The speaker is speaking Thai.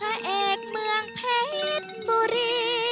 พระเอกเมืองพระหิตบุรี